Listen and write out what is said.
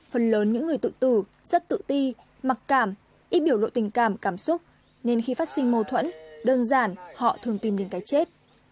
phần lớn những người tự tử rất tự ti mặc cảm ít biểu lộ tình cảm cảm xúc nên khi phát sinh mâu thuẫn đơn giản họ thường tìm đến cái chết